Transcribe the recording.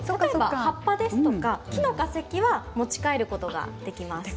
葉っぱや木の化石は持ち帰ることができます。